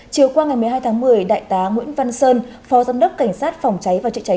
chiều qua ngày một mươi hai tháng một mươi đại tá nguyễn văn sơn phó giám đốc cảnh sát phòng cháy và chữa cháy